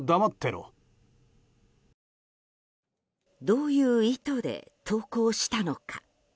どういう意図で投稿したのか。